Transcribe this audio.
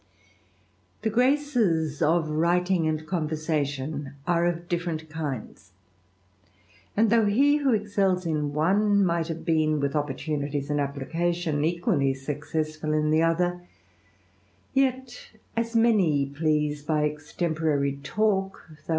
The graces of writing and conversation are of different Unds ; and though he who excels in one might have been, *ith opportunities and application, equally successful in the Other, yet as many please by extemporaiy talk, thou^ S6 THE RAMBLER.